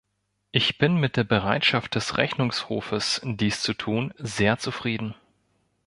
Ich bin mit der Bereitschaft des Rechnungshofes, dies zu tun, sehr zufrieden.